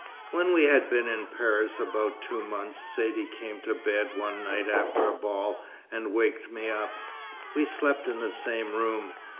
"When we had been in Paris about two months, Saidee came to bed one night after a ball, and waked me up. We slept in the same room.